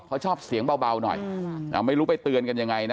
เขาชอบเสียงเบาหน่อยไม่รู้ไปเตือนกันยังไงนะ